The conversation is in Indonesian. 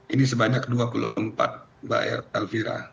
ini sebanyak dua puluh empat mbak elvira